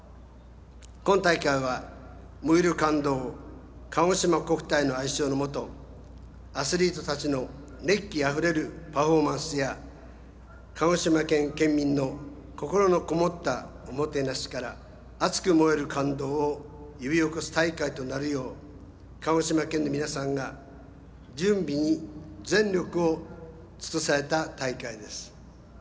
今大会は「燃ゆる感動かごしま国体」の愛称のもとアスリート達の熱気あふれるパフォーマンスや鹿児島県県民の心のこもったおもてなしから熱く燃える感動を呼び起こす大会となるよう鹿児島県の皆さんが、準備に全力を尽くされた大会です。